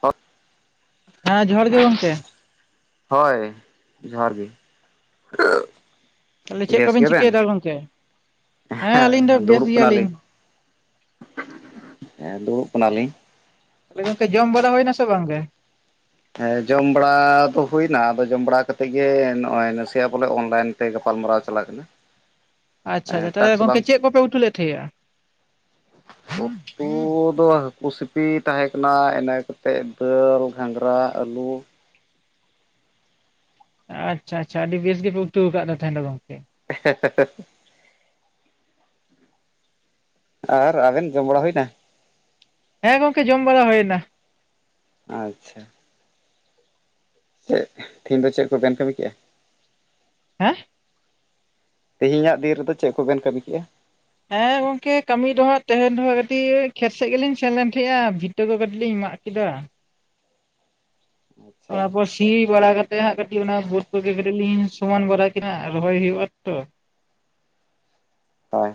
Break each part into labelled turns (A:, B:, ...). A: ᱦᱚᱛ
B: ᱦᱮᱸ ᱡᱚᱦᱟᱨ ᱜᱮ ᱜᱚᱝᱠᱮ᱾
A: ᱦᱳᱭ ᱡᱚᱦᱟᱨ ᱜᱮ᱾
B: ᱛᱟᱦᱚᱞᱮ ᱪᱮᱫ
A: ᱵᱮᱥ
B: ᱠᱚᱵᱤᱱ
A: ᱜᱮᱵᱮᱱ?
B: ᱪᱤᱠᱟᱹᱭᱮᱫᱟ ᱜᱚᱝᱠᱮ ᱦᱮᱸ ᱟᱹᱞᱤᱧ ᱫᱚ
A: ᱦᱮᱸ
B: ᱵᱮᱥ
A: ᱫᱩᱲᱩᱵ ᱠᱟᱱᱟᱞᱤᱧ᱾
B: ᱜᱮᱭᱟᱞᱤᱧ
A: ᱦᱮᱸ ᱫᱩᱲᱩᱵ ᱠᱟᱱᱟᱞᱤᱧ᱾
B: ᱛᱟᱞᱮ ᱜᱚᱝᱠᱮ ᱡᱚᱢ ᱵᱟᱲᱟ ᱦᱩᱭᱱᱟ ᱥᱮ ᱵᱟᱝ ᱜᱮ?
A: ᱦᱮᱸ ᱡᱚᱢ ᱵᱟᱲᱟ ᱫᱚ ᱦᱩᱭᱱᱟ ᱟᱫᱚ ᱡᱚᱢ ᱵᱟᱲᱟ ᱠᱟᱛᱮᱜ ᱜᱮ ᱱᱚᱜᱼᱚᱭ ᱱᱟᱥᱮᱭᱟᱜ ᱵᱚᱞᱮ ᱚᱱᱞᱟᱭᱤᱱ ᱛᱮ ᱜᱟᱯᱟᱞᱢᱟᱨᱟᱣ ᱪᱟᱞᱟᱜ ᱠᱟᱱᱟ᱾
B: ᱟᱪᱪᱷᱟ ᱟᱪᱟ ᱛᱟᱞᱦᱮ
A: ᱴᱟᱠᱥ
B: ᱜᱚᱝᱠᱮ
A: ᱵᱟᱝ
B: ᱪᱮᱫ ᱠᱚᱯᱮ ᱩᱛᱩ ᱞᱮᱜ ᱛᱟᱦᱮᱸᱜᱼᱟ?
A: ᱩᱛᱩ ᱩᱛᱩ ᱫᱚ ᱦᱟᱹᱠᱩ ᱥᱤᱯᱤ ᱛᱟᱦᱮᱸ ᱠᱟᱱᱟ ᱤᱱᱟᱹ ᱠᱟᱛᱮᱜ ᱫᱟᱹᱞ ᱜᱷᱟᱸᱜᱽᱨᱟ ᱟᱹᱞᱩ᱾
B: ᱟᱪᱪᱷᱟ ᱟᱪᱪᱷᱟ ᱟᱹᱰᱤ ᱵᱮᱥ ᱜᱮᱯᱮ ᱩᱛᱩᱣ ᱠᱟᱜ ᱫᱚ ᱛᱟᱦᱮᱧ ᱫᱚ ᱜᱚᱝᱠᱮ᱾
A: [inaudible] ᱟᱨ ᱟᱵᱮᱱ ᱡᱚᱢ ᱵᱟᱲᱟ ᱦᱩᱭᱱᱟ?
B: ᱦᱮᱸ ᱜᱚᱝᱠᱮ ᱡᱚᱢ ᱵᱟᱲᱟ ᱦᱩᱭᱮᱱᱟ᱾
A: ᱟᱪᱪᱷᱟ ᱮᱫ ᱛᱮᱦᱤᱧ ᱫᱚ ᱪᱮᱜ ᱠᱚᱵᱮᱱ ᱠᱟᱹᱢᱤ ᱠᱮᱜᱼᱟ?
B: ᱦᱮᱸ
A: ᱛᱤᱦᱮᱧᱟᱜ ᱫᱤᱱ ᱨᱮᱫᱚ ᱪᱮᱜ ᱠᱚᱵᱮᱱ ᱠᱟᱹᱢᱤ ᱠᱮᱜᱼᱟ?
B: ᱦᱮᱸ ᱜᱚᱝᱠᱮ ᱠᱟᱹᱢᱤ ᱫᱚ ᱦᱟᱸᱜ ᱛᱮᱦᱮᱧ ᱫᱚ ᱦᱟᱸᱜ ᱠᱟᱹᱴᱤᱜ ᱠᱷᱮᱛ ᱥᱮᱜ ᱜᱮᱞᱤᱧ ᱥᱮᱱ ᱞᱮᱱ ᱛᱟᱦᱮᱸᱜᱼᱟ᱾ ᱴᱟᱹ ᱠᱚ ᱠᱟᱴᱤᱡ ᱞᱤᱧ ᱢᱟᱜ ᱠᱮᱫᱟ᱾
A: ᱟᱪᱪᱷᱟ
B: ᱚᱱᱟ ᱯᱚᱥ ᱛᱤ ᱵᱟᱲᱟ ᱠᱟᱛᱮᱜ ᱦᱟᱸᱜ ᱠᱟᱹᱴᱤᱡ ᱚᱱᱟ ᱵᱟᱹᱴ ᱠᱚᱜᱮ ᱠᱟᱹᱴᱤᱡ ᱞᱤᱧ ᱥᱚᱢᱟᱱ ᱵᱟᱲᱟ ᱠᱤᱱᱟ ᱨᱚᱦᱚᱭ ᱦᱩᱭᱩᱜᱼᱟ ᱛᱚ᱾
A: ᱦᱳᱭ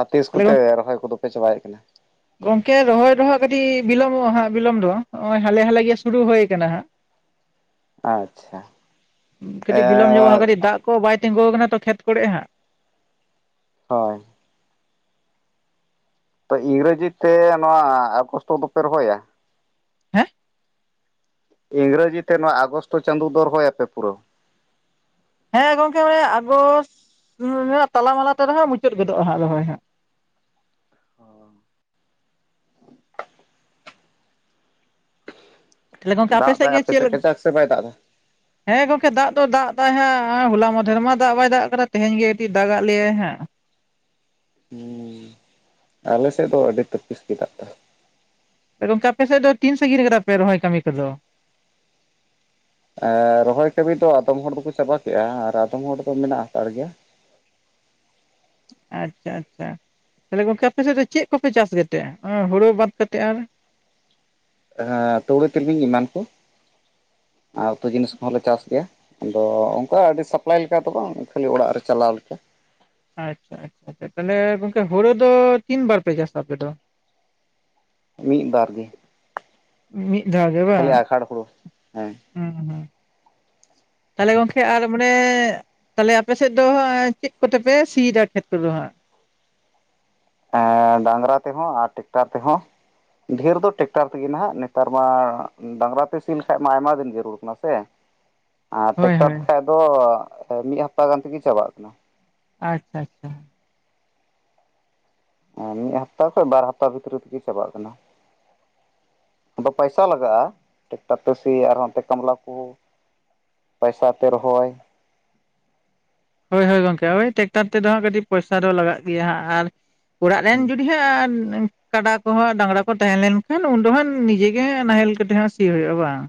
A: ᱟᱨ ᱛᱤᱥ ᱠᱚᱛᱮ
B: ᱛᱟᱦᱚᱞᱮ
A: ᱨᱚᱦᱚᱭ ᱠᱚᱫᱚᱯᱮ ᱪᱟᱵᱟᱭᱮᱜ ᱠᱟᱱᱟ?
B: ᱜᱚᱝᱠᱮ ᱨᱚᱦᱚᱭ ᱫᱚᱦᱟᱸᱜ ᱠᱟᱹᱴᱤᱡ ᱵᱤᱞᱚᱢᱚᱜᱼᱟ ᱦᱟᱸᱜ ᱵᱤᱞᱚᱢ ᱫᱚ ᱱᱚᱜᱼᱚᱭ ᱦᱟᱞᱮ ᱦᱟᱞᱮ ᱜᱮ ᱥᱩᱨᱩ ᱦᱩᱭ ᱠᱟᱱᱟ ᱦᱟᱸᱜ᱾
A: [inaudible] ᱟᱪᱪᱷᱟ [inaudible]
B: ᱠᱟᱹᱴᱤᱡ ᱵᱤᱞᱚᱢ ᱧᱚᱜᱚᱜᱼᱟ
A: ᱮᱸᱜ
B: ᱠᱟᱹᱴᱤᱡ ᱫᱟᱜ ᱠᱚ ᱵᱟᱭ ᱛᱤᱸᱜᱩ ᱟᱠᱟᱱᱟ ᱛᱚ ᱠᱷᱮᱛ ᱠᱚᱨᱮ ᱦᱟᱸᱜ᱾
A: ᱦᱳᱭ ᱛᱚ ᱤᱝᱨᱮᱡᱤ ᱛᱮ ᱱᱚᱣᱟ ᱟᱜᱚᱥᱴᱚ ᱫᱚᱯᱮ ᱨᱚᱦᱚᱭᱟ-ᱟ
B: ᱦᱮᱸ
A: ᱤᱝᱨᱮᱡᱤ ᱛᱮ ᱱᱚᱣᱟ ᱟᱜᱚᱥᱴᱚ ᱪᱟᱸᱫᱚ ᱫᱚ ᱨᱚᱦᱚᱭᱟᱯᱮ ᱯᱩᱨᱟᱹ
B: ᱦᱮᱸ ᱜᱚᱢᱠᱮ ᱢᱟᱱᱮ ᱟᱜᱚᱥ [inaudible] ᱛᱟᱞᱟ ᱢᱟᱞᱟ ᱛᱮ ᱨᱮᱦᱚᱸ ᱢᱩᱪᱟᱹᱫ ᱜᱚᱫᱚᱜᱼᱟ ᱦᱟᱸᱜ ᱨᱚᱦᱚᱭ ᱦᱚᱸ
A: [inaudible]
B: ᱪᱮᱞᱮ ᱜᱚᱝᱠᱮ ᱟᱯᱮ
A: ᱫᱟᱜ
B: ᱥᱮᱫ
A: ᱫᱟᱭ
B: ᱜᱮ ᱪᱮᱞ [inaudible]
A: ᱠᱟᱡᱟᱠ ᱥᱮ ᱵᱟᱭ ᱫᱟᱜ ᱮᱫᱟ?
B: ᱦᱮᱸ ᱜᱚᱢᱠᱮ ᱫᱟᱜ ᱫᱚ ᱫᱟᱜ ᱫᱟᱭ ᱦᱟᱜ ᱦᱚᱞᱟ ᱢᱟᱫᱷᱮᱨ ᱢᱟ ᱫᱟᱜ ᱵᱟᱭ ᱫᱟᱜ ᱟᱠᱟᱫᱟ ᱛᱮᱦᱮᱧ ᱜᱮ ᱠᱟᱹᱴᱤᱡ ᱫᱟᱜ ᱟᱜ ᱞᱮᱭᱟᱭ ᱦᱟᱸᱜ᱾
A: ᱦᱩᱸ ᱟᱞᱮᱥᱮᱫ ᱫᱚ ᱟᱹᱰᱤ ᱛᱟᱹᱯᱤᱥ ᱜᱮ ᱫᱟᱜ ᱫᱟ
B: ᱮ ᱜᱚᱝᱠᱮ ᱟᱯᱮ ᱥᱮᱫ ᱫᱚ ᱛᱤᱱ ᱥᱟᱺᱜᱤᱨ ᱠᱮᱫᱟ ᱯᱮ ᱨᱚᱦᱚᱭ ᱠᱟᱹᱢᱤ ᱠᱚᱫᱚ?
A: [unintelligible] ᱨᱚᱦᱚᱭ ᱠᱟᱹᱢᱤ ᱫᱚ ᱟᱫᱚᱢ ᱦᱚᱲ ᱫᱚᱠᱚ ᱪᱟᱵᱟ ᱠᱮᱜᱼᱟ ᱟᱨ ᱟᱫᱚᱢ ᱦᱚᱲ ᱫᱚ ᱢᱮᱱᱟᱜ ᱦᱟᱛᱟᱲ ᱜᱮᱭᱟ᱾
B: ᱟᱪᱪᱷᱟ ᱟᱪᱪᱷᱟ [inaudible] ᱛᱟᱦᱚᱞᱮ ᱜᱚᱝᱠᱮ ᱟᱯᱮ ᱥᱮᱫ ᱫᱚ ᱪᱮᱫ ᱠᱚᱯᱮ ᱪᱟᱥ ᱜᱟᱛᱮᱜᱼᱟ ᱦᱩᱲᱩ ᱵᱟᱫ ᱠᱟᱛᱮ ᱟᱨ?
A: ᱛᱩᱲᱤ ᱛᱤᱞᱢᱤᱧ ᱮᱢᱟᱱ ᱠᱚ [inaudible] ᱟᱨ ᱩᱛᱩ ᱡᱤᱱᱤᱥ ᱠᱚᱦᱚᱸᱞᱮ ᱪᱟᱥ ᱜᱮᱭᱟ᱾ ᱟᱫᱚ ᱚᱱᱠᱟ ᱟᱹᱰᱤ ᱥᱟᱯᱞᱟᱭ ᱞᱮᱠᱟ ᱫᱚ ᱵᱟᱝ ᱠᱷᱟᱹᱞᱤ ᱚᱲᱟᱜ ᱨᱮ ᱪᱟᱞᱟᱣ ᱞᱮᱠᱟ᱾
B: ᱟᱪᱪᱷᱟ ᱟᱪᱪᱷᱟ ᱛᱟᱦᱞᱮ ᱜᱚᱝᱠᱮ ᱦᱩᱲᱩ ᱫᱚ ᱛᱤᱱ ᱵᱟᱨ ᱯᱮ ᱪᱟᱥᱟ ᱟᱯᱮ ᱫᱚ?
A: [inaudible] ᱢᱤᱫ ᱵᱟᱨ ᱜᱮ
B: ᱢᱤᱫ ᱫᱷᱟᱣ ᱜᱮ
A: ᱠᱷᱟᱹᱞᱤ
B: ᱵᱟᱝ
A: ᱟᱸᱜᱷᱟᱲ ᱦᱩᱲᱩ ᱦᱮᱸ
B: [inaudible] ᱦᱢ ᱦᱢ ᱛᱟᱦᱞᱮ ᱜᱚᱝᱠᱮ ᱟᱨ ᱢᱟᱱᱮ ᱛᱟᱦᱞᱮ ᱟᱯᱮᱥᱮᱫ ᱫᱚ ᱦᱟᱸ ᱪᱮᱫ ᱠᱚᱛᱮᱯᱮ ᱥᱤᱭᱮᱫᱟ ᱠᱷᱮᱛ ᱠᱚᱫᱚ ᱦᱟᱸᱜ
A: [unintelligible] ᱰᱟᱝᱨᱟ ᱛᱮᱦᱚᱸ ᱟᱨ ᱴᱮᱠᱴᱟᱨ ᱛᱮᱦᱚᱸ ᱰᱷᱮᱨ ᱫᱚ ᱴᱮᱠᱴᱟᱨ ᱛᱮᱜᱮ ᱱᱟᱟᱜ ᱱᱮᱛᱟᱨ ᱢᱟ ᱰᱟᱝᱨᱟ ᱛᱮ ᱥᱤ ᱞᱮᱠᱷᱟᱡ ᱢᱟ ᱟᱭᱢᱟ ᱫᱤᱱ ᱡᱟᱹᱨᱩᱲ ᱠᱟᱱᱟ ᱥᱮ ᱟᱨ
B: ᱦᱳᱭ
A: ᱴᱮᱠᱴᱟᱨ
B: ᱦᱳᱭ᱾
A: ᱛᱮᱠᱷᱟᱡ ᱫᱚ ᱢᱤᱫ ᱦᱟᱯᱛᱟ ᱜᱟᱱ ᱛᱮᱜᱮ ᱪᱟᱵᱟᱜ ᱠᱟᱱᱟ᱾
B: ᱟᱪᱪᱷᱟ ᱟᱪᱪᱷᱟ
A: [unintelligible] ᱢᱤᱫ ᱦᱟᱯᱛᱟ ᱠᱷᱚᱱ ᱵᱟᱨ ᱦᱟᱯᱛᱟ ᱵᱷᱤᱛᱨᱤ ᱛᱮᱜᱮ ᱪᱟᱵᱟᱜ ᱠᱟᱱᱟ ᱟᱫᱚ ᱯᱟᱭᱥᱟ ᱞᱟᱜᱟᱜᱼᱟ [inaudible] ᱴᱮᱠᱴᱟᱨ ᱛᱮ ᱥᱤ ᱟᱨ ᱦᱟᱸᱛᱮ ᱠᱟᱢᱞᱟ ᱠᱚ ᱯᱟᱭᱥᱟ ᱛᱮ ᱨᱚᱦᱚᱭ
B: ᱦᱳᱭ ᱦᱳᱭ ᱜᱚᱝᱠᱮ ᱦᱳᱭ ᱴᱮᱠᱴᱟᱨ ᱛᱮᱫᱚ ᱦᱟᱸᱜ ᱠᱟᱹᱴᱤᱡ ᱯᱚᱭᱥᱟ ᱫᱚ ᱞᱟᱜᱟᱜ ᱜᱮᱭᱟ ᱦᱟᱸᱜ ᱟᱨ [inaudible] ᱚᱲᱟᱜ ᱨᱮᱱ ᱡᱩᱫᱤ ᱦᱟᱸᱜ [unintelligible] ᱠᱟᱰᱟ ᱠᱚᱦᱚᱸ ᱰᱟᱝᱨᱟ ᱠᱚ ᱛᱟᱦᱮᱸ ᱞᱮᱱᱠᱷᱟᱱ ᱩᱱᱫᱚ ᱦᱟᱸᱜ ᱱᱤᱡᱮ ᱜᱮ ᱱᱟᱦᱮᱞ ᱠᱚᱛᱮ ᱦᱚᱸ ᱥᱤ ᱦᱩᱭᱩᱜᱼᱟ ᱵᱟᱝ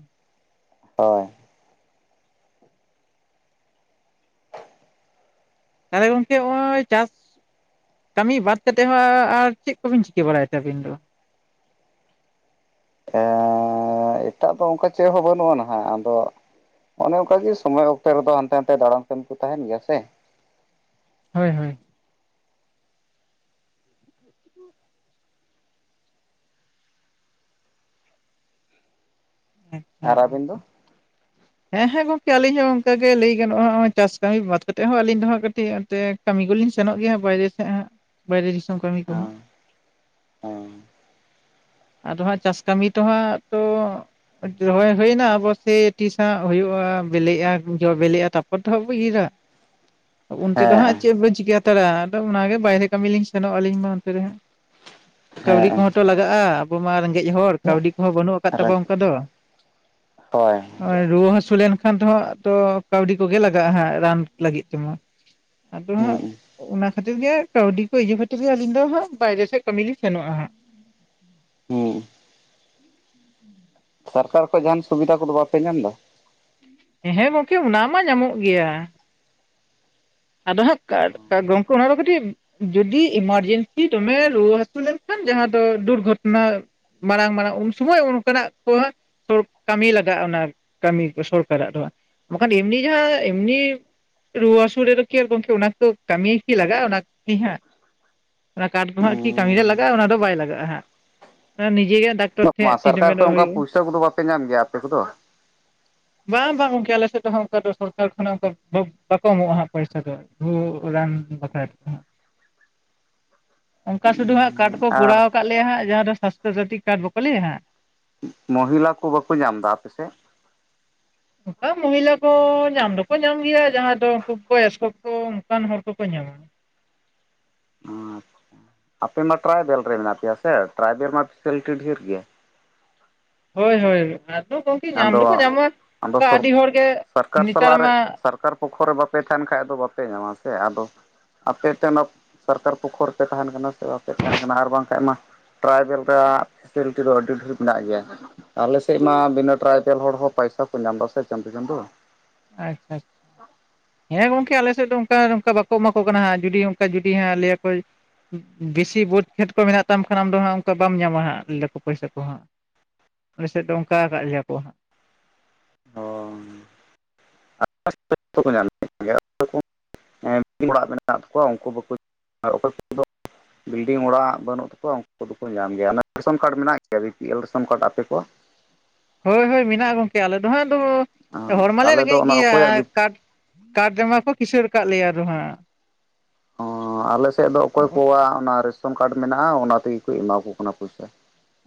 A: ᱦᱳᱭ
B: ᱛᱟᱦᱞᱮ ᱜᱚᱝᱠᱮ ᱱᱚᱜᱼᱚᱭ ᱪᱟᱥ ᱠᱟᱹᱢᱤ ᱵᱟᱫ ᱠᱟᱛᱮᱫ ᱦᱚᱸ ᱟᱨ ᱪᱮᱫ ᱠᱚᱵᱤᱱ ᱪᱤᱠᱟᱹ ᱵᱟᱲᱟᱭ ᱛᱮ ᱟᱹᱵᱤᱱ ᱫᱚ
A: ᱮᱸᱻ ᱮᱴᱟᱜ ᱫᱚ ᱚᱱᱠᱟ ᱪᱮᱫ ᱦᱚᱸ ᱵᱟᱹᱱᱩᱜᱼᱟ ᱱᱷᱟᱜ ᱟᱫᱚ ᱚᱱᱮ ᱚᱱᱠᱟᱜ ᱜᱮ ᱥᱚᱢᱚᱭ ᱚᱠᱛᱮ ᱨᱮᱫᱚ ᱦᱟᱱᱛᱮ ᱱᱟᱛᱮ ᱫᱟᱬᱟᱱ ᱠᱟᱹᱢᱤ ᱠᱚ ᱛᱟᱦᱮᱱ ᱜᱮᱭᱟ ᱥᱮ᱾
B: ᱦᱳᱭ ᱦᱳᱭ
A: ᱟᱨ ᱟᱹᱵᱤᱱ ᱫᱚ
B: [unintelligible]
A: [inaudible]
B: ᱦᱮᱸ ᱦᱮᱸ ᱜᱚᱝᱠᱮ ᱟᱹᱞᱤᱧ ᱦᱚᱸ ᱚᱱᱠᱟ ᱜᱮ ᱞᱟᱹᱭ ᱜᱟᱱᱚᱜᱼᱟ ᱦᱚᱜ ᱚᱭ ᱪᱟᱥ ᱠᱟᱹᱢᱤ ᱵᱟᱫ ᱠᱟᱛᱮᱜ ᱦᱚᱸ ᱟᱹᱞᱤᱧ ᱫᱚ ᱦᱟᱸᱜ ᱠᱟᱹᱴᱤᱡ ᱟᱸᱛᱮ ᱠᱟᱹᱢᱤ ᱠᱚᱞᱤᱧ ᱥᱮᱱᱚᱜ ᱜᱮᱭᱟ ᱵᱟᱦᱨᱮ ᱥᱮᱫ ᱦᱟᱸᱜ [inaudible] ᱵᱟᱦᱨᱮ ᱫᱤᱥᱚᱢ ᱠᱟᱹᱢᱤ ᱠᱚᱦᱚᱸ
A: ᱦᱮᱸ
B: ᱟᱫᱚ ᱦᱟᱸᱜ ᱪᱟᱥ ᱠᱟᱹᱢᱤ ᱛᱚᱦᱟᱸᱜ ᱛᱚ ᱨᱚᱦᱚᱭ ᱦᱩᱭᱱᱟ ᱟᱵᱚ ᱥᱮ ᱛᱤᱥ ᱦᱟᱸᱜ ᱦᱩᱭᱩᱜᱼᱟ ᱵᱤᱞᱤᱜᱼᱟ ᱡᱚ ᱵᱤᱞᱤᱜᱼᱟ ᱛᱟᱨᱯᱚᱨ ᱫᱚ ᱦᱟᱸᱜ ᱵᱚ ᱤᱨᱟ
A: [inaudible]
B: ᱩᱱᱛᱮ ᱫᱚ ᱦᱟᱸᱜ
A: ᱦᱮᱸ
B: ᱪᱮᱫ ᱵᱮᱱ ᱪᱤᱠᱟᱹ ᱦᱟᱛᱟᱲᱟ ᱟᱫᱚ ᱚᱱᱟᱜᱮ ᱵᱟᱦᱨᱮ ᱠᱟᱹᱢᱤ ᱞᱤᱧ ᱥᱮᱱᱚᱜ ᱟᱹᱞᱤᱧ ᱢᱟ ᱚᱱᱛᱮ ᱨᱮ ᱦᱟᱸᱜ [inaudible] ᱠᱟᱹᱣᱰᱤ ᱠᱚᱦᱚᱸᱛᱚ ᱞᱟᱜᱟᱜᱼᱟ ᱟᱵᱚ ᱢᱟ ᱨᱮᱸᱜᱮᱡ ᱦᱚᱲ ᱠᱟᱹᱣᱰᱤ ᱠᱚᱦᱚᱸ ᱵᱟᱹᱱᱩᱜ ᱟᱠᱟᱫ
A: ᱦᱮᱸ
B: ᱛᱟᱵᱚ ᱚᱱᱠᱟ ᱫᱚ
A: ᱦᱳᱭ
B: ᱱᱚᱜᱼᱚᱭ ᱨᱩᱣᱟᱹ ᱦᱟᱹᱥᱩ ᱞᱮᱱᱠᱷᱟᱱ ᱫᱚ ᱫᱟᱜ ᱛᱚ ᱠᱟᱹᱣᱰᱤ ᱠᱚᱜᱮ ᱞᱟᱜᱟᱜᱼᱟ ᱦᱟᱸᱜ ᱨᱟᱱ ᱞᱟᱹᱜᱤᱫ ᱛᱮᱢᱟ ᱟᱫᱚ ᱦᱟᱸᱜ
A: ᱦᱩᱸ
B: ᱚᱱᱟ ᱠᱷᱟᱹᱛᱤᱨ ᱜᱮ ᱠᱟᱹᱣᱰᱤ ᱠᱚ ᱤᱭᱟᱹ ᱠᱷᱟᱹᱛᱤᱨ ᱜᱮ ᱟᱹᱞᱤᱧ ᱫᱚ ᱦᱟᱸᱜ ᱵᱟᱦᱨᱮ ᱥᱮᱫ ᱠᱟᱹᱢᱤ ᱞᱤᱧ ᱥᱮᱱᱚᱜᱼᱟ ᱦᱟᱸᱜ
A: ᱦᱩᱸ ᱥᱟᱨᱠᱟᱨ ᱠᱷᱚᱡ ᱡᱟᱦᱟᱱ ᱥᱩᱵᱤᱫᱷᱟ ᱠᱚᱫᱚ ᱵᱟᱯᱮ ᱧᱟᱢ ᱫᱟ?
B: ᱦᱮᱸ ᱜᱚᱝᱠᱮ ᱚᱱᱟ ᱢᱟ ᱧᱟᱢᱚᱜ ᱜᱮᱭᱟ᱾ ᱟᱫᱚ ᱦᱟᱸᱜ [inaudible] ᱜᱚᱝᱠᱮ ᱚᱱᱟ ᱫᱚ ᱠᱟᱹᱴᱤᱜ ᱡᱩᱫᱤ ᱮᱢᱟᱨᱡᱮᱱᱥᱤ ᱫᱚᱢᱮ ᱨᱩᱣᱟᱹ ᱦᱟᱹᱥᱩ ᱞᱮᱱᱠᱷᱟᱱ ᱡᱟᱦᱟᱸ ᱫᱚ ᱫᱩᱨᱜᱷᱚᱴᱚᱱᱟ ᱢᱟᱨᱟᱝ ᱢᱟᱨᱟᱝ ᱩᱱ ᱥᱚᱢᱚᱭ ᱚᱱᱠᱟᱱᱟᱜ ᱠᱚ ᱦᱟᱸᱜ [inaudible] ᱠᱟᱹᱢᱤ ᱞᱟᱜᱟᱜᱼᱟ ᱚᱱᱟ ᱠᱟᱹᱢᱤ ᱠᱚ ᱥᱚᱨᱠᱟᱨᱟᱜ ᱫᱚ ᱦᱟᱸᱜ ᱵᱟᱠᱷᱟᱱ ᱮᱢᱱᱤ ᱡᱟᱦᱟᱸ ᱮᱢᱱᱤ ᱨᱩᱣᱟᱹ ᱦᱟᱹᱥᱩ ᱨᱮᱫᱚ ᱠᱤ ᱟᱨ ᱜᱚᱝᱠᱮ ᱚᱱᱟ ᱠᱚᱫᱚ ᱠᱟᱹᱢᱤ ᱠᱤ ᱞᱟᱜᱟᱜᱼᱟ ᱚᱱᱟ ᱠᱤ ᱦᱟᱸᱜ ᱚᱱᱟ ᱠᱟᱴ ᱫᱚ ᱦᱟᱸᱜ ᱠᱤ ᱠᱟᱹᱢᱤ ᱨᱮ ᱞᱟᱜᱟᱜᱼᱟ ᱚᱱᱟ ᱫᱚ ᱵᱟᱭ ᱞᱟᱜᱟᱜᱼᱟ ᱦᱟᱸᱜ ᱱᱤᱡᱮ ᱜᱮ ᱰᱟᱠᱛᱚᱨ
A: [inaudible]
B: ᱴᱷᱮᱡ
A: ᱢᱟ ᱥᱚᱨᱠᱟᱨ ᱠᱷᱚᱡ
B: ᱴᱤᱴᱢᱮᱱᱴᱚᱜ
A: ᱚᱱᱠᱟ
B: ᱦᱩᱭᱩᱜᱼᱟ
A: ᱯᱩᱭᱥᱟᱹ ᱠᱚᱫᱚ ᱵᱟᱯᱮ ᱧᱟᱢ ᱜᱮᱭᱟ ᱟᱯᱮ ᱠᱚᱫᱚ?
B: ᱵᱟᱝ ᱵᱟᱝ ᱜᱚᱝᱠᱮ ᱟᱞᱮ ᱥᱮᱫ ᱫᱚ ᱦᱟᱸᱜ ᱚᱱᱠᱟ ᱫᱚ ᱥᱚᱨᱠᱟᱨ ᱠᱷᱚᱱᱟᱜ ᱚᱱᱠᱟ ᱵᱟ ᱵᱟᱠᱚ ᱮᱢᱚᱜᱼᱟ ᱦᱟᱸᱜ ᱯᱚᱭᱥᱟ ᱫᱚ ᱨᱩᱣᱟᱹᱜ ᱨᱟᱱ ᱵᱟᱠᱷᱨᱟ ᱛᱮᱫᱚ ᱦᱟᱸᱜ ᱚᱝᱠᱟ ᱥᱩᱫᱩ ᱦᱟᱸᱜ ᱠᱟᱨᱰ ᱠᱚ
A: ᱟᱨ
B: ᱠᱚᱨᱟᱣ ᱟᱠᱟᱫ ᱞᱮᱭᱟ ᱦᱟᱸᱜ ᱡᱟᱦᱟᱸ ᱫᱚ ᱥᱟᱥᱛᱷᱚ ᱥᱟᱛᱷᱤ ᱠᱟᱨᱰ ᱵᱟᱠᱚ ᱞᱟᱹᱭᱟ ᱦᱟᱸᱜ
A: ᱢᱚᱦᱤᱞᱟ ᱠᱚ ᱵᱟᱠᱚ ᱧᱟᱢ ᱫᱟ ᱟᱯᱮᱥᱮᱜ?
B: ᱚᱝᱠᱟ ᱢᱚᱦᱤᱞᱟ ᱠᱚ ᱧᱟᱢ ᱫᱚᱠᱚ ᱧᱟᱢ ᱜᱮᱭᱟ ᱡᱟᱦᱟᱸ ᱫᱚ ᱩᱱᱠᱩ ᱵᱚᱭᱚᱥᱠᱚ ᱠᱚ ᱚᱱᱠᱟᱱ ᱦᱚᱲ ᱠᱚᱠᱚ ᱧᱟᱢᱟ᱾
A: ᱟᱪᱪᱷᱟ ᱟᱯᱮ ᱢᱟ ᱴᱨᱟᱭᱵᱮᱞ ᱨᱮ ᱢᱮᱱᱟᱜ ᱯᱮᱭᱟ ᱥᱮ ᱴᱨᱟᱭᱵᱮᱞ ᱢᱟ ᱯᱷᱮᱥᱮᱞᱤᱴᱤ ᱰᱷᱮᱨ ᱜᱮᱭᱟ᱾
B: ᱦᱳᱭ ᱦᱳᱭ ᱟᱫᱚ ᱜᱚᱢᱠᱮ ᱧᱟᱢ ᱫᱚᱠᱚ
A: ᱟᱫᱚ
B: ᱧᱟᱢᱚᱜᱼᱟ
A: ᱟᱫᱚ
B: ᱚᱱᱠᱟ
A: ᱥᱚᱨ
B: ᱟᱹᱰᱤ ᱦᱚᱲ ᱜᱮ
A: ᱥᱚᱨᱠᱟᱨ
B: ᱱᱮᱛᱟᱨ
A: ᱥᱟᱞᱟᱜ ᱨᱮ
B: ᱢᱟ
A: ᱥᱚᱨᱠᱟᱨ ᱯᱚᱠᱠᱷᱚ ᱨᱮ ᱵᱟᱯᱮ ᱛᱟᱦᱮᱱ ᱠᱷᱟᱡ ᱟᱫᱚ ᱵᱟᱯᱮ ᱧᱟᱢᱟ ᱥᱮ ᱟᱫᱚ ᱟᱯᱮ ᱛᱮ ᱚᱱᱟ ᱥᱟᱨᱠᱟᱨ ᱯᱚᱠᱠᱷᱚ ᱨᱮᱯᱮ ᱛᱟᱦᱮᱱ ᱠᱟᱱᱟ ᱥᱮ ᱵᱟᱯᱮ ᱛᱟᱦᱮᱱ ᱠᱟᱱᱟ ᱟᱨ ᱵᱟᱝᱠᱷᱟᱡ ᱢᱟ ᱴᱨᱟᱭᱵᱮᱞ ᱨᱮᱭᱟᱜ ᱯᱷᱮᱥᱮᱞᱤᱴᱤ ᱫᱚ ᱟᱹᱰᱤ ᱰᱷᱮᱨ ᱢᱮᱱᱟᱜ ᱜᱮᱭᱟ ᱟᱞᱮᱥᱮᱫ ᱢᱟ ᱵᱤᱱᱟᱹ ᱴᱨᱟᱭᱵᱮᱞ ᱦᱚᱲ ᱦᱚᱸ ᱯᱟᱭᱥᱟ ᱠᱚ ᱧᱟᱢ ᱮᱫᱟ ᱥᱮ ᱪᱟᱸᱫᱳ ᱪᱟᱸᱫᱳ
B: ᱟᱪᱪᱷᱟ ᱟᱪᱪᱷᱟ ᱦᱮᱸ ᱜᱚᱝᱠᱮ ᱟᱞᱮ ᱥᱮᱫ ᱫᱚ ᱚᱱᱠᱟ ᱱᱚᱝᱠᱟ ᱵᱟᱠᱚ ᱮᱢᱟ ᱠᱚ ᱠᱟᱱᱟ ᱦᱟᱸᱜ ᱡᱩᱫᱤ ᱚᱱᱠᱟ ᱡᱩᱫᱤ ᱦᱟᱸᱜ ᱞᱟᱹᱭᱟ ᱠᱚ ᱵᱤᱥᱤ ᱵᱟᱹᱫᱽ ᱠᱷᱮᱛ ᱠᱚ ᱢᱮᱱᱟᱜ ᱛᱟᱢ ᱠᱷᱟᱱ ᱟᱢ ᱫᱚ ᱦᱟᱸᱜ ᱚᱱᱠᱟ ᱵᱟᱢ ᱧᱟᱢᱟ ᱦᱟᱸᱜ, ᱞᱟᱹᱭ ᱫᱟ ᱯᱚᱭᱥᱟ ᱠᱚ ᱦᱟᱸᱜ᱾ ᱢᱞᱮᱥᱮᱫ ᱫᱚ ᱚᱝᱠᱟ ᱟᱠᱟᱫ ᱞᱮᱭᱟ ᱠᱚ ᱦᱟᱸᱜ᱾
A: ᱚ [inaudible] [inaudible] ᱚᱲᱟᱜ ᱢᱮᱱᱟᱜ ᱛᱟᱠᱚᱣᱟ ᱚᱝᱠᱩ ᱵᱟᱠᱚ [inaudible] ᱚᱠᱚᱭ ᱠᱚ ᱫᱚ ᱵᱤᱞᱰᱤᱝ ᱚᱲᱟᱜ ᱵᱟᱹᱱᱩᱜ ᱛᱟᱠᱚᱣᱟ ᱩᱱᱠᱩ ᱫᱚᱠᱚ ᱧᱟᱢ ᱜᱮᱭᱟ᱾ ᱚᱱᱟ ᱨᱮᱫᱚ ᱠᱟᱨᱰ ᱢᱮᱱᱟᱜ ᱜᱮᱭᱟ B P L ration card ᱟᱯᱮ ᱠᱚᱣᱟᱜ?
B: ᱦᱳᱭ ᱦᱳᱭ ᱢᱮᱱᱟᱜᱼᱟ ᱜᱚᱝᱠᱮ, ᱟᱞᱮ ᱫᱚ ᱦᱟᱸᱜ ᱫᱚ ᱦᱚᱲ ᱢᱟᱞᱮ
A: ᱟᱞᱮ ᱫᱚ
B: ᱨᱮᱸᱜᱮᱡ
A: ᱚᱱᱟ
B: ᱜᱮᱭᱟ
A: ᱚᱠᱚᱭᱟᱜ ᱵᱤ
B: ᱾ ᱠᱟᱴ ᱠᱟᱴ [unintelligible] ᱨᱮᱢᱟ ᱠᱚ ᱠᱤᱥᱟᱹᱬ ᱠᱟᱜ ᱞᱮᱭᱟ ᱟᱨᱦᱚᱸ ᱦᱟᱸᱜ ᱾
A: ᱚ ᱟᱞᱮ ᱥᱮᱫ ᱫᱚ ᱚᱠᱚᱭ ᱠᱚᱣᱟᱜ, ᱚᱱᱟ ᱨᱮᱥᱚᱱ ᱠᱟᱨᱰ ᱢᱮᱱᱟᱜᱼᱟ ᱾ ᱚᱱᱟ ᱛᱮᱜᱮ ᱠᱚ ᱮᱢᱟ ᱠᱚ ᱠᱟᱱᱟ ᱯᱚᱭᱥᱟ᱾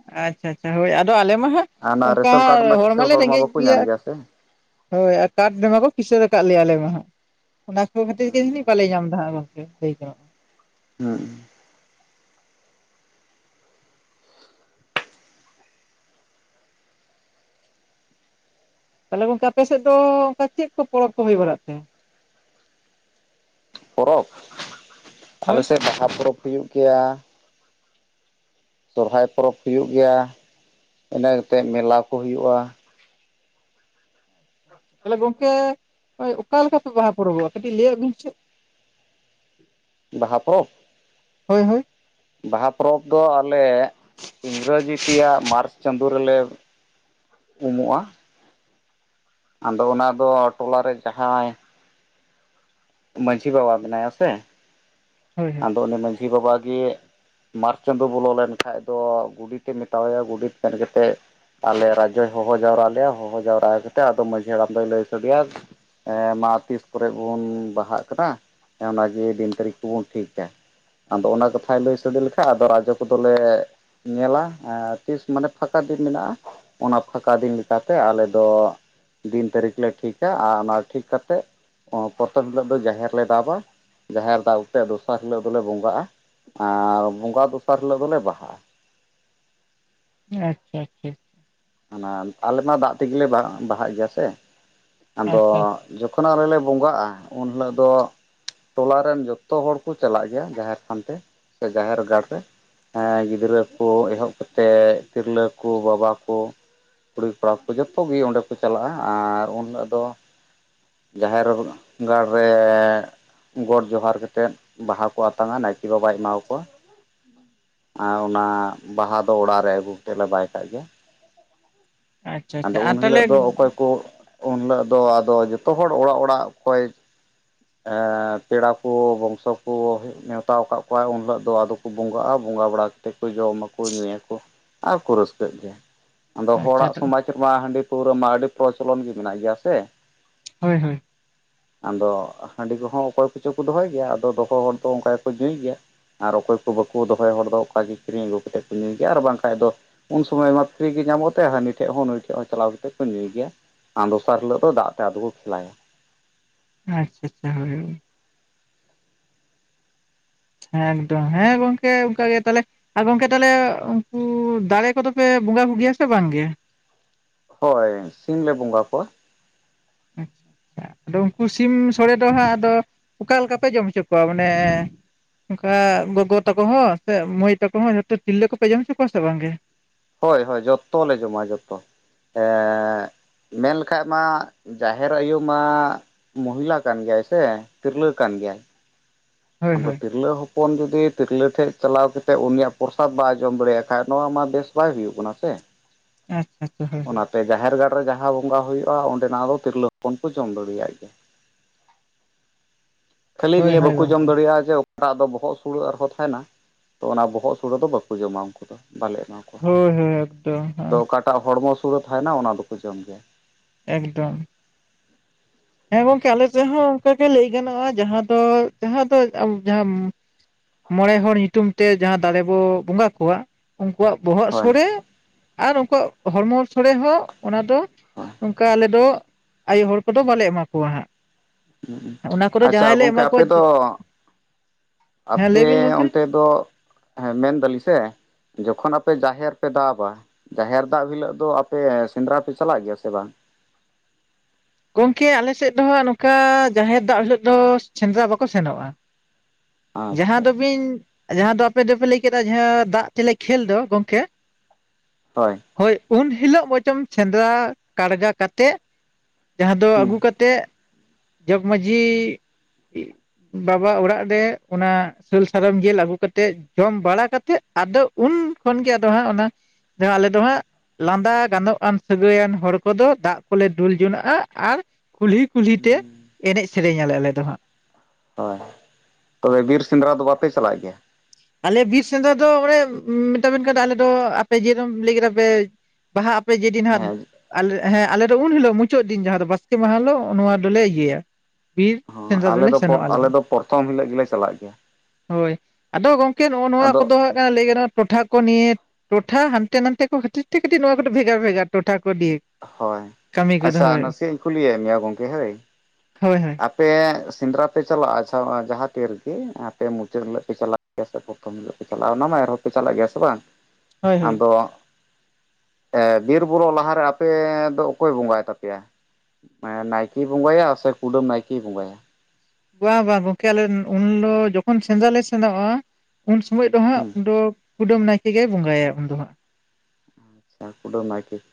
B: ᱟᱪᱪᱷᱟ, ᱟᱪᱪᱷᱟ ᱦᱳᱭ᱾ ᱟᱫᱚ ᱟᱞᱮ ᱢᱟ ᱦᱟᱸᱜ
A: ᱟᱨ ᱚᱱᱟ
B: ᱚᱱᱠᱟ
A: ᱨᱮᱥᱚᱱ ᱠᱟᱨᱰ ᱢᱟ
B: ᱦᱚᱲ
A: ᱠᱤᱥᱟᱹᱬ
B: ᱢᱟᱞᱮ
A: ᱢᱟ
B: ᱨᱮᱸᱜᱮᱡ
A: ᱵᱟᱠᱚ
B: ᱜᱮᱭᱟ᱾
A: ᱧᱟᱢ ᱥᱮ
B: ᱦᱳᱭ ᱟᱨ ᱠᱟᱴ ᱨᱮᱢᱟᱠᱚ ᱠᱤᱥᱟᱹᱬ ᱠᱟᱫ ᱞᱮᱭᱟ ᱟᱞᱮ ᱦᱟᱸᱟᱜ ᱾ ᱚᱱᱟ ᱠᱚ ᱠᱷᱟᱹᱛᱤᱨ ᱜᱮ ᱡᱟᱹᱱᱤᱡ ᱵᱟᱞᱮ ᱧᱟᱢ ᱫᱟ ᱦᱟᱸᱜ ᱟᱫᱚ ᱾ [unintelligible]
A: ᱦᱩᱸ
B: ᱛᱟᱦᱚᱞᱮ ᱜᱚᱝᱠᱮ ᱟᱯᱮ ᱥᱮᱫ ᱫᱚ ᱚᱱᱠᱟ ᱪᱮᱫ ᱠᱚ ᱯᱚᱨᱚᱵᱽ ᱠᱚ ᱦᱩᱭ ᱵᱟᱲᱟᱜ ᱛᱮ?
A: ᱯᱚᱨᱚᱵᱽ
B: ᱦᱳᱭ
A: ᱟᱞᱮᱥᱮᱫ ᱵᱟᱦᱟ ᱯᱚᱨᱚᱵᱽ ᱦᱩᱭᱩᱜ ᱜᱮᱭᱟ᱾ ᱥᱚᱨᱦᱟᱭ ᱯᱚᱨᱚᱵᱽ ᱦᱩᱭᱩᱜ ᱜᱮᱭᱟ᱾ ᱮᱱᱮ ᱠᱟᱛᱮ ᱢᱮᱞᱟ ᱠᱚ ᱦᱩᱭᱩᱜᱼᱟ᱾
B: [unintelligible] ᱛᱟᱦᱚᱞᱮ ᱜᱚᱝᱠᱮ, ᱚᱠᱟ ᱞᱮᱠᱟ ᱯᱮ ᱵᱟᱦᱟ ᱯᱚᱨᱚᱵᱚᱜᱼᱟ᱾ ᱠᱟᱹᱴᱤᱡ ᱞᱟᱹᱭ-ᱟᱜ ᱵᱤᱱ ᱥᱮ᱾
A: ᱵᱟᱦᱟ ᱯᱚᱨᱚᱵᱽ?
B: ᱦᱳᱭ ᱦᱳᱭ
A: ᱵᱟᱦᱟ ᱯᱚᱨᱚᱵᱽ ᱫᱚ ᱟᱞᱮ, ᱤᱝᱨᱟᱹᱡᱤ ᱛᱮᱭᱟᱜ ᱢᱟᱨᱪ ᱪᱟᱸᱫᱳ ᱨᱮ ᱞᱮ ᱩᱢᱚᱜᱼᱟ᱾ ᱟᱸᱫᱚ ᱚᱱᱟ ᱫᱚ ᱴᱚᱞᱟᱨᱮ ᱡᱟᱦᱟᱸᱭ ᱢᱟᱺᱡᱷᱤ ᱵᱟᱵᱟ ᱢᱮᱱᱟᱭᱟ ᱥᱮ᱾
B: ᱦᱳᱭ ᱦᱳᱭ᱾
A: ᱟᱫᱚ ᱩᱱᱤ ᱢᱟᱺᱡᱷᱤ ᱵᱟᱵᱟᱜ ᱜᱮ ᱢᱟᱨᱪ ᱪᱟᱸᱫᱳ ᱵᱚᱞᱚ ᱞᱮᱱ ᱠᱷᱟᱡ ᱫᱚ ᱜᱩᱰᱮᱛ ᱮ ᱢᱮᱛᱟᱣᱟ ᱜᱚᱰᱮᱛ ᱥᱮᱱ ᱠᱟᱛᱮᱫ ᱟᱞᱮ ᱨᱟᱡᱡᱚᱭ ᱦᱚᱦᱚ ᱡᱟᱣᱨᱟ ᱞᱮᱭᱟ᱾ ᱦᱚᱦᱚ ᱡᱟᱣᱨᱟ ᱠᱟᱛᱮ ᱮᱫ ᱟᱫᱚ ᱢᱟᱺᱡᱷᱤ ᱦᱟᱲᱟᱢ ᱫᱚᱭ ᱞᱟᱹᱭ ᱥᱟᱰᱮᱭᱟ᱾ ᱢᱟ ᱛᱤᱥ ᱠᱚᱨᱮ ᱵᱩᱱ ᱵᱟᱦᱟᱜ ᱠᱟᱱᱟ᱾ ᱚᱱᱟᱜᱮ ᱫᱤᱱ ᱛᱟᱹᱨᱤᱠᱷ ᱠᱚ ᱵᱩᱱ ᱴᱷᱤᱠ-ᱟ ᱾ ᱟᱫᱚ ᱚᱱᱟ ᱠᱟᱛᱷᱟᱟᱭ ᱞᱟᱹᱭ ᱥᱟᱰᱮ ᱞᱮᱠᱷᱟᱡ ᱟᱫᱚ ᱨᱟᱡᱚ ᱠᱚᱫᱚ ᱞᱮ ᱧᱮᱞᱟ᱾ ᱛᱤᱥ ᱢᱟᱱᱮ ᱯᱷᱟᱸᱠᱟ ᱫᱤᱱ ᱢᱮᱱᱟᱜᱼᱟ᱾ ᱚᱱᱟ ᱯᱷᱟᱸᱠᱟ ᱫᱤᱱ ᱞᱮᱠᱟᱛᱮ ᱟᱞᱮ ᱫᱚ ᱫᱤᱱ ᱛᱟᱹᱨᱤᱠᱷ ᱞᱮ ᱴᱷᱤᱠ-ᱟ᱾ ᱟᱨ ᱚᱱᱟ ᱴᱷᱤᱠ ᱠᱟᱛᱮᱫ ᱯᱚᱛᱚᱵ [inaudible] ᱦᱤᱞᱳᱜ ᱫᱚ ᱡᱟᱦᱮᱨ ᱞᱮ ᱫᱟᱵᱟ᱾ ᱡᱟᱦᱮᱨ ᱫᱟᱜ ᱠᱟᱛᱮ ᱫᱚᱥᱟᱨ ᱦᱤᱞᱳᱜ ᱫᱚᱞᱮ ᱵᱚᱸᱜᱟᱜᱼᱟ᱾ ᱟᱨ ᱵᱚᱸᱜᱟ ᱫᱚᱥᱟᱨ ᱦᱤᱞᱳᱜ ᱫᱚᱞᱮ ᱵᱟᱦᱟᱜᱼᱟ᱾
B: ᱟᱪᱪᱷᱟ ᱟᱪᱪᱷᱟ᱾
A: ᱦᱟᱱᱟ ᱟᱞᱮ ᱢᱟ ᱫᱟᱜ ᱛᱮᱜᱮ ᱞᱮ ᱵᱟᱦᱟᱜ ᱜᱮᱭᱟ ᱥᱮ ᱟᱫᱚ᱾
B: ᱟᱪᱪᱷᱟ ᱟᱪᱪᱷᱟ
A: ᱡᱚᱠᱷᱚᱱ ᱟᱞᱮ ᱵᱚᱸᱜᱟᱜᱼᱟ ᱩᱱ ᱦᱤᱞᱳᱜ ᱫᱚ ᱴᱚᱞᱟᱨᱮᱱ ᱡᱚᱛᱚ ᱦᱚᱲ ᱠᱚ ᱪᱟᱞᱟᱜ ᱜᱮᱭᱟ ᱡᱟᱦᱮᱨ ᱛᱷᱟᱱᱛᱮ ᱥᱮ ᱡᱟᱦᱮᱨ ᱜᱟᱲ ᱨᱮ᱾ ᱦᱮᱸ ᱜᱤᱫᱽᱨᱟᱹ ᱠᱚ ᱮᱦᱚᱵ ᱠᱟᱛᱮ ᱮᱫ ᱛᱤᱨᱞᱟᱹ ᱠᱚ, ᱵᱟᱵᱟ ᱠᱚ᱾ ᱠᱩᱲᱤ ᱠᱚᱲᱟ ᱠᱚ ᱡᱚᱛᱚᱜ ᱜᱮ ᱚᱸᱰᱮ ᱠᱚ ᱪᱟᱞᱟᱜᱼᱟ᱾ ᱟᱨ ᱩᱱ ᱦᱤᱞᱳᱜ ᱫᱚ ᱡᱟᱦᱮᱨ ᱜᱟᱲ ᱨᱮ ᱜᱚᱸᱴ ᱡᱚᱦᱟᱨ ᱠᱟᱛᱮᱫ᱾ ᱵᱟᱦᱟ ᱠᱚ ᱟᱛᱟᱝ ᱟ ᱱᱟᱭᱠᱮ ᱵᱟᱵᱟᱭ ᱮᱢᱟ ᱠᱚᱣᱟ᱾ ᱟ ᱚᱱᱟ ᱵᱟᱦᱟ ᱫᱚ ᱚᱲᱟᱜ ᱨᱮ ᱟᱹᱜᱩᱛᱮᱫ ᱞᱮ ᱵᱟᱭ ᱠᱟᱜ ᱜᱮᱭᱟ᱾
B: ᱟᱪᱪᱷᱟ
A: ᱟᱫᱚ
B: ᱟᱪᱪᱷᱟ ᱟᱨ
A: ᱩᱱ
B: ᱛᱟᱦᱚᱞᱮ
A: ᱦᱤᱞᱳᱜ ᱫᱚ ᱚᱠᱚᱭ ᱠᱚ, ᱩᱱ ᱦᱤᱞᱳᱜ ᱫᱚ ᱟᱫᱚ ᱡᱚᱛᱚ ᱦᱚᱲ ᱚᱲᱟᱜ ᱚᱲᱟᱜ ᱚᱠᱚᱭ ᱮᱸ ᱯᱮᱲᱟ ᱠᱚ, ᱵᱚᱝᱥᱚ ᱠᱚ ᱱᱮᱣᱛᱟ ᱠᱟᱜ ᱠᱚᱣᱟᱭ ᱩᱱ ᱦᱤᱞᱳᱜ ᱫᱚ᱾ ᱟᱫᱚ ᱠᱚ ᱵᱚᱸᱜᱟᱜᱼᱟ᱾ ᱵᱚᱸᱜᱟ ᱵᱟᱲᱟ ᱠᱟᱛᱮ ᱠᱚ ᱡᱚᱢ ᱟᱠᱚ ᱧᱩᱭ ᱟᱠᱚ᱾ ᱟᱨ ᱠᱚ ᱨᱟᱹᱥᱠᱟᱹᱜ ᱜᱮᱭᱟ᱾ ᱟᱫᱚ
B: ᱟᱪᱪᱷᱟ
A: ᱦᱚᱲᱟᱜ
B: ᱛᱚᱵᱮ
A: ᱥᱚᱢᱟᱡᱽ ᱨᱮᱢᱟ ᱦᱟᱺᱰᱤ ᱯᱟᱹᱣᱨᱟᱹ ᱢᱟ, ᱟᱹᱰᱤ ᱯᱨᱚᱪᱚᱞᱚᱱ ᱜᱮ ᱢᱮᱱᱟᱜ ᱜᱮᱭᱟ ᱥᱮ᱾
B: ᱦᱳᱭ ᱦᱳᱭ
A: ᱟᱫᱚ ᱦᱟᱺᱰᱤ ᱠᱚᱦᱚᱸ ᱚᱠᱚᱭ ᱠᱚᱪᱚ ᱠᱚ ᱫᱚᱦᱚᱭ ᱜᱮᱭᱟ᱾ ᱟᱫᱚ ᱫᱚᱦᱚ ᱦᱚᱲ ᱫᱚ ᱚᱱᱠᱟ ᱜᱮᱠᱚ ᱧᱩᱭ ᱜᱮᱭᱟ᱾ ᱟᱨ ᱚᱠᱚᱭ ᱠᱚ ᱵᱟᱠᱚ ᱫᱚᱦᱚᱭ ᱦᱚᱲ ᱫᱚ ᱾ ᱚᱠᱟᱜᱮ ᱠᱤᱨᱤᱧ ᱟᱹᱜᱩ ᱠᱟᱛᱮᱫ ᱠᱚ ᱧᱩᱭ ᱜᱮᱭᱟ᱾ ᱟᱨ ᱵᱟᱝ ᱠᱷᱟᱡ ᱫᱚ ᱩᱱ ᱥᱚᱢᱚᱭ ᱢᱟ ᱯᱷᱨᱤ ᱜᱮ ᱧᱟᱢᱚᱜ ᱛᱮ ᱦᱟᱱᱤᱛ ᱴᱷᱮᱡ ᱦᱚᱸ ᱱᱩᱭ ᱴᱷᱮᱡ ᱦᱚᱸ ᱪᱟᱞᱟᱣ ᱠᱟᱛᱮ ᱠᱚ ᱧᱩᱭ ᱜᱮᱭᱟ ᱾ ᱟᱨ ᱫᱚᱥᱟᱨ ᱦᱤᱞᱳᱜ ᱫᱚ ᱫᱟᱜ ᱛᱮ ᱟᱫᱚ ᱠᱚ ᱠᱷᱮᱞᱟᱭ-ᱟ᱾
B: ᱟᱪᱪᱷᱟ ᱟᱪᱪᱷᱟ ᱦᱳᱭ ᱦᱳᱭ ᱦᱮᱸ ᱮᱠᱫᱚᱢ ᱦᱮᱸ ᱜᱚᱝᱠᱮ ᱚᱱᱠᱟ ᱜᱮ ᱛᱟᱦᱚᱞᱮ ᱟᱨ ᱜᱚᱝᱠᱮ ᱛᱟᱦᱚᱞᱮ ᱩᱱᱠᱩ ᱫᱟᱨᱮ ᱠᱚᱫᱚ ᱯᱮ ᱵᱚᱸᱜᱟ ᱵᱩᱜ ᱜᱮᱭᱟ ᱥᱮ ᱵᱟᱝᱜᱮ?
A: ᱦᱳᱭ ᱥᱤᱢ ᱞᱮ ᱵᱚᱸᱜᱟ ᱠᱚᱣᱟ᱾
B: ᱟᱪᱪᱷᱟ ᱟᱪᱪᱷᱟ ᱟᱫᱚ ᱩᱱᱠᱩ ᱥᱤᱢ ᱥᱳᱲᱮ ᱫᱚ ᱦᱟᱸᱜ ᱟᱫᱚ ᱚᱠᱟ ᱞᱮᱠᱟ ᱯᱮ ᱡᱚᱢ ᱦᱚᱪᱚ ᱠᱚᱣᱟ ᱢᱟᱱᱮ ᱚᱱᱠᱟ ᱜᱚᱜᱚ ᱛᱟᱠᱚ ᱦᱚᱸ ᱥᱮ ᱢᱟᱹᱭ ᱛᱟᱠᱚ ᱦᱚᱸ ᱡᱚᱛᱚ ᱛᱤᱨᱞᱟᱹ ᱠᱚᱯᱮ ᱡᱚᱢ ᱦᱚᱪᱚ ᱠᱚᱣᱟ ᱥᱮ ᱵᱟᱝᱜᱮ?
A: ᱦᱳᱭ ᱦᱳᱭ ᱡᱚᱛᱚ ᱞᱮ ᱡᱚᱢᱟ ᱡᱚᱛᱚ ᱮᱜ ᱢᱮᱱ ᱞᱮᱠᱷᱟᱡ ᱢᱟ ᱡᱟᱦᱮᱨ ᱟᱭᱳ ᱢᱟ ᱢᱚᱦᱤᱞᱟ ᱠᱟᱱ ᱜᱮᱭᱟᱭ ᱥᱮ, ᱛᱤᱨᱞᱟᱹ ᱠᱟᱱ ᱜᱮᱭᱟᱭ᱾
B: ᱦᱳᱭ
A: ᱟᱫᱚ
B: ᱦᱳᱭ
A: ᱛᱤᱨᱞᱟᱹ ᱦᱚᱯᱼᱼ ᱦᱚᱯᱚᱱ ᱡᱩᱫᱤ ᱛᱤᱨᱞᱟᱹ ᱴᱷᱮᱱ ᱪᱟᱞᱟᱣ ᱠᱟᱛᱮᱫ ᱩᱱᱤᱭᱟᱜ ᱯᱨᱚᱥᱟᱫ ᱵᱟᱭ ᱡᱚᱢ ᱫᱟᱲᱮᱭᱟᱜ ᱠᱷᱟᱡ ᱱᱚᱣᱟ ᱢᱟ ᱵᱮᱥ ᱵᱟᱭ ᱦᱩᱭᱩᱜ ᱠᱟᱱᱟ ᱥᱮ᱾ [inaudible]
B: ᱟᱪᱪᱷᱟ ᱟᱪᱷᱟ ᱦᱳᱭ
A: ᱚᱱᱟᱛᱮ ᱡᱟᱦᱮᱨ ᱜᱟᱲ ᱨᱮ ᱡᱟᱦᱟᱸ ᱵᱚᱸᱜᱟ ᱦᱩᱭᱩᱜᱼᱟ ᱚᱸᱰᱮᱱᱟᱜ ᱫᱚ ᱛᱤᱨᱞᱟᱹ ᱦᱚᱯᱚᱱ ᱠᱚ ᱡᱚᱢ ᱫᱟᱲᱮᱭᱟᱜ ᱜᱮᱭᱟ᱾ ᱠᱷᱟᱹᱞᱤ
B: ᱦᱳᱭ
A: ᱱᱤᱭᱟᱹ
B: ᱦᱳᱭ
A: ᱵᱟᱠᱚ ᱡᱚᱢ
B: ᱜᱚᱝᱠᱮ
A: ᱫᱟᱲᱮᱭᱟᱜᱼᱟ ᱡᱮ ᱚᱠᱟᱴᱟᱜ ᱫᱚ ᱵᱚᱦᱚᱜ ᱥᱩᱲᱩ ᱟᱨᱦᱚᱸ ᱛᱟᱦᱮᱱᱟ᱾ ᱛᱚ ᱚᱱᱟ ᱵᱚᱦᱚᱜ ᱥᱩᱲᱮ ᱫᱚ ᱵᱟᱠᱚ ᱡᱚᱢᱟ ᱩᱱᱠᱩ ᱫᱚ ᱵᱟᱞᱮ ᱮᱢᱟ ᱠᱚᱣᱟ᱾
B: ᱦᱳᱭ ᱦᱳᱭ ᱮᱠᱫᱚᱢ ᱦᱮᱸ
A: ᱮᱴᱟᱜ ᱦᱚᱲᱢᱚ ᱥᱚᱲᱮ ᱛᱟᱦᱮᱱᱟ ᱚᱱᱟ ᱫᱚᱠᱚ ᱡᱚᱢ ᱜᱮᱭᱟ᱾
B: ᱮᱠᱫᱚᱢ ᱦᱮᱸ ᱜᱚᱝᱠᱮ ᱟᱞᱮ ᱥᱮᱫ ᱦᱚᱸ ᱚᱱᱠᱟᱜᱮ ᱞᱟᱹᱭ ᱜᱟᱱᱚᱜᱼᱟ ᱡᱟᱦᱟᱸ ᱫᱚ ᱡᱟᱦᱟᱸ ᱫᱚ ᱡᱟᱦᱟᱸ ᱢᱚᱬᱮ ᱦᱚᱲ ᱧᱩᱛᱩᱢ ᱛᱮ ᱡᱟᱦᱟᱸ ᱫᱟᱨᱮ ᱵᱚ ᱵᱚᱸᱜᱟ ᱠᱚᱣᱟ᱾ ᱩᱱᱠᱩᱣᱟᱜ ᱵᱚᱦᱚᱜ
A: ᱦᱳᱭ
B: ᱥᱚᱲᱮ ᱟᱨ ᱩᱱᱠᱩᱣᱟᱜ ᱦᱚᱲᱢᱚ ᱥᱚᱲᱮ ᱦᱚᱸ ᱚᱱᱟ ᱫᱚ
A: ᱦᱳᱭ
B: ᱚᱱᱠᱟ ᱟᱞᱮ ᱫᱚ ᱟᱭᱳ ᱦᱚᱲ ᱠᱚᱫᱚ ᱵᱟᱞᱮ ᱮᱢᱟ ᱠᱚᱣᱟ᱾ ᱦᱟᱸᱜ
A: ᱦᱮ
B: ᱚᱱᱟ ᱠᱚᱫᱚ
A: ᱟᱪᱪᱷᱟ
B: ᱡᱟᱦᱟᱸᱭ ᱞᱮ
A: ᱜᱚᱝᱠᱮ
B: ᱮᱢᱟ
A: ᱟᱯᱮ
B: ᱠᱚᱣᱟ
A: ᱫᱚ
B: ᱦᱮᱸ
A: ᱟᱯᱮ
B: ᱞᱟᱹᱭ ᱵᱤᱱ ᱜᱚᱝᱠᱮ
A: ᱚᱱᱛᱮ ᱫᱚ ᱢᱮᱱᱫᱟᱞᱤᱧ ᱥᱮ ᱡᱚᱠᱷᱚᱱ ᱟᱯᱮ ᱡᱟᱦᱮᱨ ᱯᱮ ᱫᱟᱵᱟ ᱡᱟᱦᱮᱨ ᱫᱟᱯ ᱦᱤᱞᱳᱜ ᱫᱚ ᱟᱯᱮ ᱥᱮᱸᱫᱽᱨᱟ ᱯᱮ ᱪᱟᱞᱟᱜ ᱜᱮᱭᱟ ᱥᱮ ᱵᱟᱝ?
B: ᱜᱚᱢᱠᱮ ᱟᱞᱮ ᱥᱮᱫ ᱫᱚ ᱦᱟᱜ ᱱᱚᱝᱠᱟ ᱡᱟᱦᱮᱨ ᱫᱟᱯ ᱦᱤᱞᱳᱜ ᱫᱚ ᱥᱮᱸᱫᱽᱨᱟ ᱵᱟᱠᱚ ᱥᱮᱱᱚᱜᱼᱟ᱾ ᱡᱟᱦᱟᱸ
A: ᱟᱪᱪᱷᱟ
B: ᱫᱚᱵᱤᱱ ᱡᱟᱦᱟᱸ ᱫᱚ ᱟᱯᱮ ᱫᱚᱯᱮ ᱞᱟᱹᱭ ᱠᱮᱫᱟ ᱡᱟᱦᱟᱸ ᱫᱟᱜ ᱛᱮᱞᱮ ᱠᱷᱮᱞ ᱫᱚ ᱜᱚᱝᱠᱮ
A: ᱦᱳᱭ
B: ᱦᱳᱭ ᱩᱱ ᱦᱤᱞᱳᱜ ᱵᱚᱪᱚᱢ ᱥᱮᱸᱫᱽᱨᱟ ᱠᱟᱲᱜᱟ ᱠᱟᱛᱮᱫ ᱡᱟᱦᱟᱸ ᱫᱚ
A: ᱦᱩᱸ
B: ᱟᱹᱜᱩ ᱠᱟᱛᱮᱫ ᱡᱚᱜᱽ ᱢᱟᱺᱡᱷᱤ ᱵᱟᱵᱟ ᱚᱲᱟᱜ ᱨᱮ ᱚᱱᱟ ᱥᱟᱹᱞ ᱥᱟᱨᱚᱢ ᱡᱤᱞ ᱟᱹᱜᱩ ᱠᱟᱛᱮᱫ ᱡᱚᱢ ᱵᱟᱲᱟ ᱠᱟᱛᱮᱫ ᱟᱫᱚ ᱩᱱ ᱠᱷᱚᱱ ᱜᱮ ᱟᱫᱚ ᱦᱟᱸᱜ ᱚᱱᱟ ᱦ ᱟᱞᱮ ᱫᱚ ᱦᱟᱸᱜ ᱞᱟᱸᱫᱟ ᱜᱟᱱᱚᱜ ᱟᱱ ᱥᱟᱹᱜᱟᱹᱭᱟᱱ ᱦᱚᱲ ᱠᱚᱫᱚ ᱫᱟᱜ ᱠᱚᱞᱮ ᱫᱩᱞ ᱡᱚᱱᱟᱜᱼᱟ ᱟᱨ ᱠᱩᱞᱦᱤ ᱠᱩᱞᱦᱤ ᱛᱮ ᱮᱱᱮᱡ ᱥᱮᱨᱮᱧ ᱟᱞᱮ ᱫᱚ ᱦᱟᱸᱜ᱾
A: ᱦᱳᱭ ᱛᱚᱵᱮ ᱵᱤᱨ ᱥᱮᱸᱫᱽᱨᱟ ᱫᱚ ᱵᱟᱯᱮ ᱪᱟᱞᱟᱜ ᱜᱮᱭᱟ?
B: ᱟᱞᱮ ᱵᱤᱨ ᱥᱮᱸᱫᱽᱨᱟ ᱫᱚ ᱮ ᱢᱮ ᱟᱞᱮ ᱫᱚ ᱟᱯᱮ ᱡᱮᱨᱚᱠᱚᱢ ᱞᱟᱹᱭ ᱠᱮᱫᱟ ᱯᱮ ᱵᱟᱦᱟ ᱟᱯᱮ ᱡᱮᱫᱤᱱ ᱦᱟᱸᱜ
A: ᱦᱮᱸ
B: ᱟᱞᱮ ᱦᱮᱸ ᱟᱞᱮ ᱫᱚ ᱩᱱ ᱦᱤᱞᱳᱜ ᱢᱩᱪᱟᱹᱫ ᱫᱤᱱ ᱡᱟᱦᱟᱸ ᱫᱚ ᱵᱟᱥᱠᱮ ᱢᱟᱦᱟ ᱦᱤᱞᱳᱜ ᱱᱚᱣᱟ ᱫᱚᱞᱮ ᱤᱭᱟᱹᱭᱟ ᱵᱤᱨ ᱥᱮᱸᱫᱽᱨᱟ
A: ᱟᱞᱮ
B: ᱫᱚᱞᱮ
A: ᱫᱚ
B: ᱥᱮᱱᱚᱜᱼᱟ
A: ᱟᱞᱮ ᱫᱚ ᱯᱨᱚᱛᱷᱚᱢ ᱦᱤᱞᱳ ᱜᱮᱞᱮ ᱪᱟᱞᱟᱜ ᱜᱮᱭᱟ᱾
B: ᱦᱳᱭ ᱟᱫᱚ ᱜᱚᱝᱠᱮ ᱱᱚᱜᱼᱚ ᱱᱚᱣᱟ
A: ᱟᱫᱚ
B: ᱠᱚᱫᱚ ᱦᱟᱜ ᱠᱟᱱᱟ ᱞᱟᱹᱭ ᱜᱟᱱᱚᱜ ᱴᱚᱴᱷᱟ ᱠᱚ ᱱᱤᱭᱮ ᱴᱚᱴᱷᱟ ᱦᱟᱱᱛᱮ ᱱᱟᱛᱮ ᱠᱚ [unintelligible] ᱛᱮ ᱠᱟᱹᱴᱤᱡ ᱱᱚᱣᱟ ᱠᱚᱫᱚ ᱵᱷᱮᱜᱟᱨ ᱵᱷᱮᱜᱟᱨ ᱴᱚᱴᱷᱟ ᱠᱚ ᱫᱤᱠ
A: ᱦᱳᱭ ᱟᱪᱪᱷᱟ ᱱᱟᱥᱮ ᱤᱧ ᱠᱩᱞᱤᱭᱮᱫ ᱢᱮᱭᱟ ᱜᱚᱢᱠᱮ ᱦᱳᱭ
B: ᱦᱳᱭ ᱦᱳᱭ
A: ᱟᱯᱮ ᱥᱮᱸᱫᱽᱨᱟ ᱯᱮ ᱪᱟᱞᱟᱜᱼᱟ ᱟᱪᱪᱷᱟ ᱡᱟᱦᱟᱸ ᱛᱤᱨᱮᱜᱮ ᱟᱯᱮ ᱢᱩᱪᱟᱹᱫ ᱦᱤᱞᱳᱜ ᱯᱮ ᱪᱟᱞᱟᱜᱼᱟ ᱯᱨᱚᱛᱷᱚᱢ ᱦᱤᱞᱳᱜ ᱯᱮ ᱪᱟᱞᱟᱜᱼᱟ ᱚᱱᱟ ᱢᱟ ᱮᱱᱦᱚᱸ ᱯᱮ ᱪᱟᱞᱟᱜ ᱜᱮᱭᱟ ᱥᱮ ᱵᱟᱝ
B: ᱦᱳᱭ ᱦᱳᱭ
A: ᱟᱫᱚ ᱮ ᱵᱤᱨ ᱵᱩᱨᱩ ᱞᱟᱦᱟᱨᱮ ᱟᱯᱮ ᱫᱚ ᱚᱠᱚᱭ ᱵᱚᱸᱜᱟᱭ ᱛᱟᱯᱮᱭᱟ? ᱱᱟᱭᱠᱤᱭ ᱵᱚᱸᱜᱟᱭᱟ ᱥᱮ ᱠᱩᱰᱟᱹᱢ ᱱᱟᱭᱠᱤᱭ ᱵᱚᱸᱜᱟᱭᱟ᱾
B: ᱵᱟᱝ ᱵᱟᱝ ᱜᱚᱝᱠᱮ ᱟᱞᱮ ᱩᱱ ᱫᱚ ᱡᱚᱠᱷᱚᱱ ᱥᱮᱸᱫᱽᱨᱟ ᱞᱮ ᱥᱮᱸᱱᱚᱜᱼᱟ᱾ ᱩᱱ ᱥᱚᱢᱚᱭ ᱫᱚ ᱦᱟᱸᱜ
A: ᱦᱩᱸ
B: ᱩᱱᱫᱚ ᱠᱩᱰᱟᱹᱢ ᱱᱟᱭᱠᱮ ᱜᱮᱭ ᱵᱚᱸᱜᱟᱭᱟ ᱩᱱ ᱫᱚ ᱦᱟᱸᱜ ᱾
A: ᱠᱩᱰᱟᱹᱢ ᱱᱟᱭᱠᱤ